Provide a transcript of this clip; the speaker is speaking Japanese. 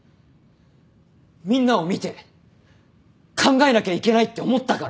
みんなを見て考えなきゃいけないって思ったから。